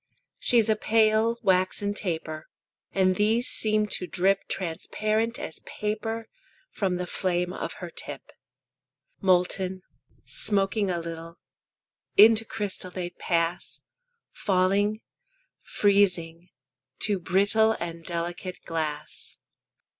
She's a pale, waxen taper; And these seem to drip Transparent as paper From the flame of her tip. Molten, smoking a little, Into crystal they pass; Falling, freezing, to brittle And delicate glass.